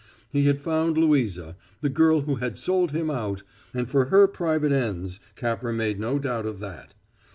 He had found Louisa the girl who had sold him out and for her private ends, Capper made no doubt of that.